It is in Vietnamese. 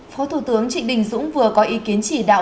phó thủ tướng trịnh đình dũng vừa có ý kiến chỉ đạo